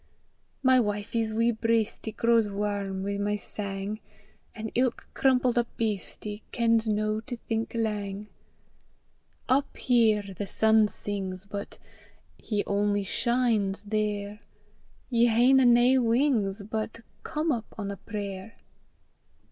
My wifie's wee breistie Grows warm wi' my sang, An' ilk crumpled up beastie Kens no to think lang. Up here the sun sings, but He only shines there! Ye haena nae wings, but Come up on a prayer.